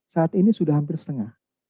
saat ini sudah hampir setengah